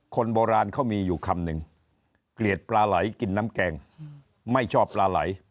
คนโบราณเขามีอยู่คำหนึ่งเกลียดปลาไหลกินน้ำแกงไม่ชอบปลาไหล